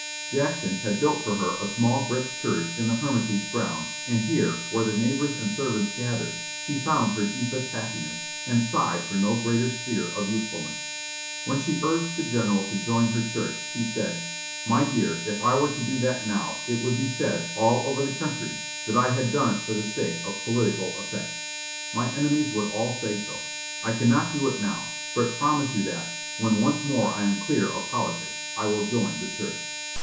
Jackson had built for her a small brick church in the Hermitage grounds, and here, where the neighbors and servants gathered, she found her deepest happiness, and sighed for no greater sphere of usefulness. When she urged the general to join her church, he said, "My dear, if I were to do that now, it would be said, all over the country, that I had done it for the sake of political effect. My enemies would all say so. I cannot do it now, but I promise you that, when once more I am clear of politics, I will join the church."